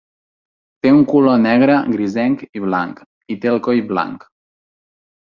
Té un color negre, grisenc i blanc, i té el coll blanc.